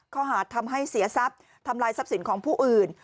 ข้อหาดทำให้เสียทรัพย์ทำลายทรัพย์สินของผู้อื่น